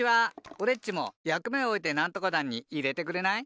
おれっちもやくめをおえてなんとか団にいれてくれない？